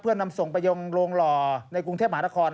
เพื่อนำส่งไปยังโรงหล่อในกรุงเทพมหานคร